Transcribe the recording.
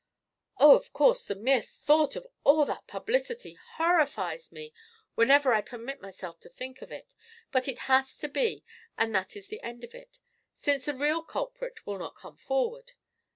"Oh, of course, the mere thought of all that publicity horrifies me whenever I permit myself to think of it, but it has to be, and that is the end of it, since the real culprit will not come forward.